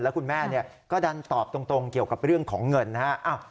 แล้วคุณแม่ก็ดันตอบตรงเกี่ยวกับเรื่องของเงินนะฮะ